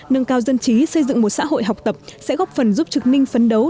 nâng cao dân trí xây dựng một xã hội học tập sẽ góp phần giúp trực ninh phấn đấu